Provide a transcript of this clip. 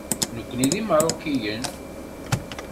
Nekkni d Imeṛṛukiyen.